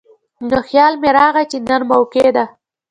نو خيال مې راغے چې نن موقع ده ـ